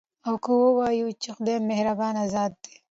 او که ووايو، چې خدايه مهربانه ذاته ده